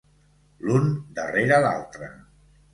L'un darrere l'altre.